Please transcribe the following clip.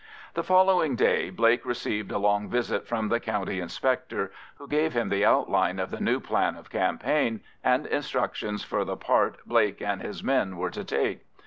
The following day Blake received a long visit from the County Inspector, who gave him the outline of the new plan of campaign, and instructions for the part Blake and his men were to take.